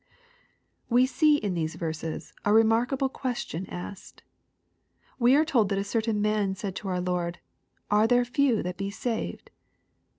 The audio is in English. We see in these verses a remarkable question asked. We are told that a certain man said to our Lord, " Are there few that be saved